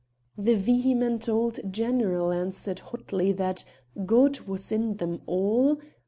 The vehement old general answered hotly that "God was in them all."